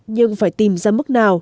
nhưng phải tìm ra mức nào